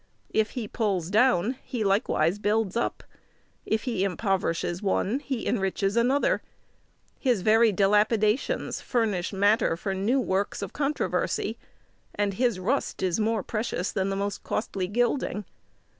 If he pulls down, he likewise builds up; if he impoverishes one, he enriches another; his very dilapidations furnish matter for new works of controversy, and his rust is more precious than the most costly gilding.